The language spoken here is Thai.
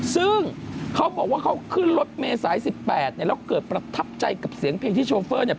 ซึ่งเขาบอกว่าเขาขึ้นรถเมษาย๑๘เนี่ยแล้วเกิดประทับใจกับเสียงเพลงที่โชเฟอร์เนี่ย